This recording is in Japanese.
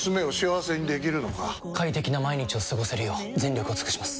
快適な毎日を過ごせるよう全力を尽くします！